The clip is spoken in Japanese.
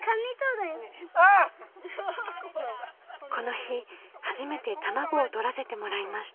この日初めて卵をとらせてもらいました。